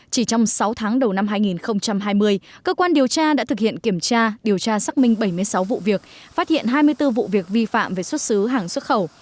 chỉ trong sáu tháng đầu năm hai nghìn hai mươi cơ quan điều tra đã thực hiện kiểm tra điều tra xác minh bảy mươi sáu vụ việc phát hiện hai mươi bốn vụ việc vi phạm về xuất xứ hàng xuất khẩu